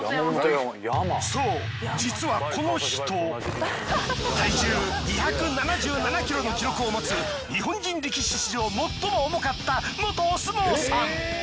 そう体重２７７ｋｇの記録を持つ日本人力士史上最も重かった元お相撲さん。